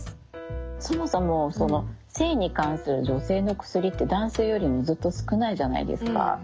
そもそもその性に関する女性の薬って男性よりもずっと少ないじゃないですか。